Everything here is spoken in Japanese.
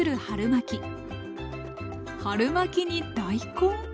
春巻に大根？